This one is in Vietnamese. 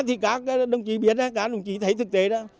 thì các đồng chí biết các đồng chí thấy thực tế đó